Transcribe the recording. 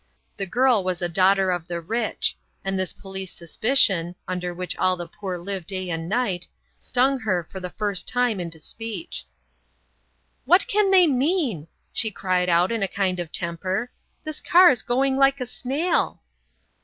The girl was a daughter of the rich; and this police suspicion (under which all the poor live day and night) stung her for the first time into speech. "What can they mean?" she cried out in a kind of temper; "this car's going like a snail."